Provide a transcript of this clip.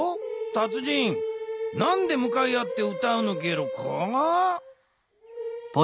達人何でむかい合って歌うのゲロか？